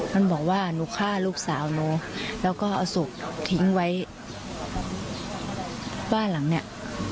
มันบอกว่าหนูฆ่าลูกสาวหนูแล้วก็เอาศพทิ้งไว้บ้านหลังเนี้ย